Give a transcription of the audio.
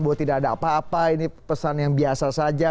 bahwa tidak ada apa apa ini pesan yang biasa saja